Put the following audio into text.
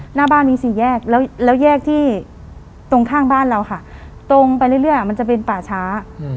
หน้าบ้านมีสี่แยกแล้วแยกที่ตรงข้างบ้านเราค่ะตรงไปเรื่อยมันจะเป็นป่าช้า